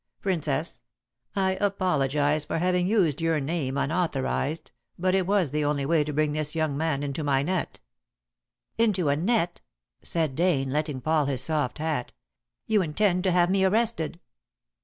Princess, I apologize for having used your name unauthorized, but it was the only way to bring this young man into my net." "Into a net!" said Dane, letting fall his soft hat. "You intend to have me arrested!"